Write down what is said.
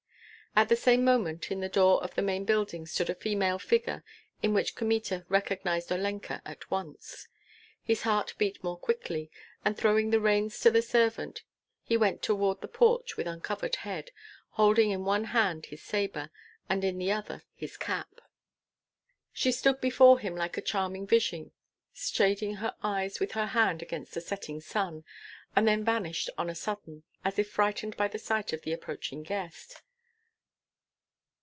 At the same moment in the door of the main building stood a female figure, in which Kmita recognized Olenka at once. His heart beat more quickly, and throwing the reins to the servant, he went toward the porch with uncovered head, holding in one hand his sabre, and in the other his cap. She stood before him like a charming vision, shading her eyes with her hand against the setting sun, and then vanished on a sudden, as if frightened by the sight of the approaching guest.